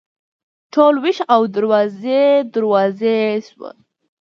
ټول ویښ او دروازې، دروازې شوه